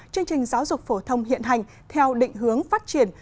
chương trình giáo dục phổ thông hiện hành theo định hướng phát triển